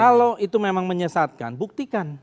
kalau itu memang menyesatkan buktikan